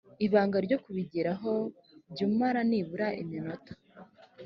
ibanga ryo kubigeraho jya umara nibura iminota